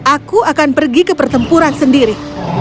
aku akan pergi ke pertempuran sendiri